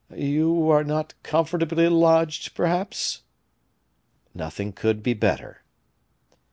"You are not comfortably lodged, perhaps?" "Nothing could be better."